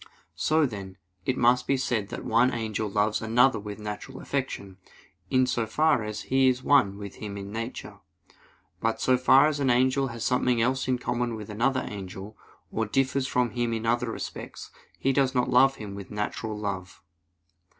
So then, it must be said that one angel loves another with natural affection, in so far as he is one with him in nature. But so far as an angel has something else in common with another angel, or differs from him in other respects, he does not love him with natural love.